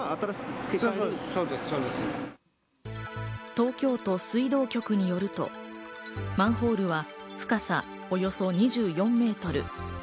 東京都水道局によると、マンホールは深さおよそ２４メートル。